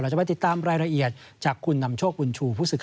เราจะไปติดตามรายละเอียดจากคุณนำโชคบุญชู้